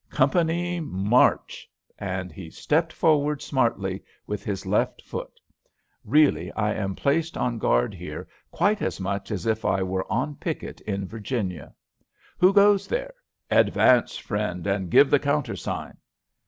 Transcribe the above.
Company, march!" and he "stepped forward smartly" with his left foot. "Really I am placed on guard here quite as much as if I were on picket in Virginia." "Who goes there?" "Advance, friend, and give the countersign."